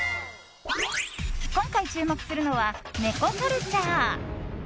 今回、注目するのは猫カルチャー。